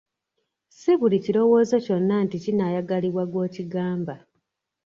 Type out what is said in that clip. Si buli kirowoozo kyonna nti kinaayagalibwa gwokigamba.